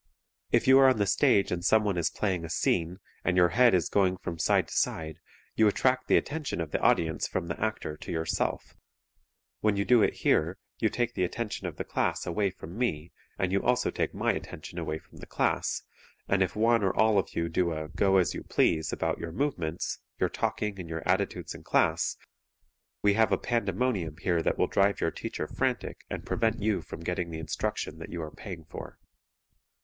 If you are on the stage and someone is playing a scene, and your head is going from side to side, you attract the attention of the audience from the actor to yourself. When you do it here you take the attention of the class away from me, and you also take my attention away from the class, and if one or all of you do a "go as you please" about your movements, your talking and your attitudes in class, we have a pandemonium here that will drive your teacher frantic and prevent you from getting the instruction that you are paying for.